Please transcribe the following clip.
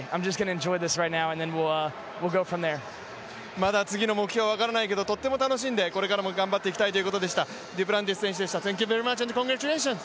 まだ次の目標は分からないけど、とっても楽しんでこれからも頑張っていきたいということでした。